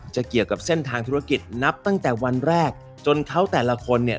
เกี่ยวกับเส้นทางธุรกิจนับตั้งแต่วันแรกจนเขาแต่ละคนเนี่ย